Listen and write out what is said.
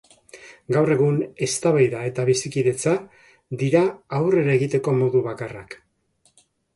Gaur egun, eztabaida eta bizikidetza dira aurrera egiteko modu bakarrak.